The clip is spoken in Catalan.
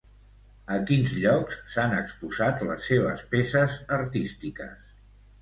A quins llocs s'han exposat les seves peces artístiques?